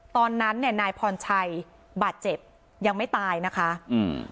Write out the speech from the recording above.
ตอนนั้นเนี่ยนายพรชัยบาดเจ็บยังไม่ตายนะคะอืม